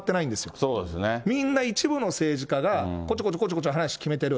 もうみんな一部の政治家が、こちょこちょこちょこちょ話し決めてる。